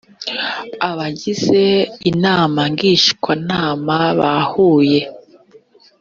abagize inama ngishwanama bahuye